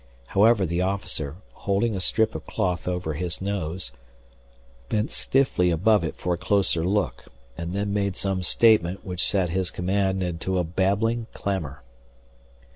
However the officer, holding a strip of cloth over his nose, bent stiffly above it for a closer look and then made some statement which sent his command into a babbling clamor.